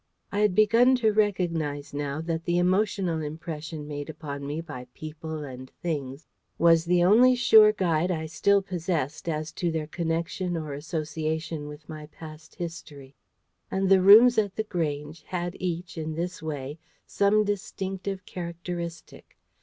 I had begun to recognise now that the emotional impression made upon me by people and things was the only sure guide I still possessed as to their connection or association with my past history. And the rooms at The Grange had each in this way some distinctive characteristic.